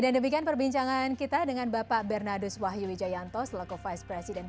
dan demikian perbincangan kita dengan bapak bernardus wahyu wijayanto selaku vice president